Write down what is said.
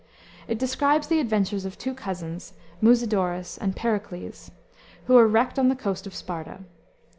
It describes the adventures of two cousins, Musidorus and Pyrocles, who are wrecked on the coast of Sparta.